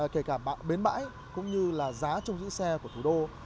kể cả bến bãi cũng như là giá trong giữ xe của thủ đô